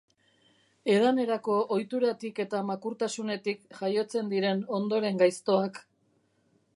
Edanerako ohituratik eta makurtasunetik jaiotzen diren ondoren gaiztoak.